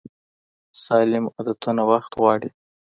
سالم عادتونه وخت غواړي.